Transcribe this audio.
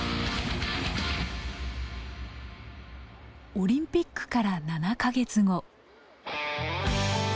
オリンピックから７か月後。